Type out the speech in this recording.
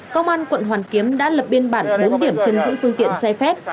công an quận hoàn kiếm đã lập biên bản bốn điểm chân giữ phương tiện xe phép